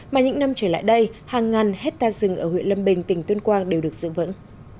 mà những năm trở lại đây hàng ngàn hectare rừng ở huyện lâm bình tỉnh tuyên quang đều được giữ vững